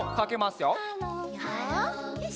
よし。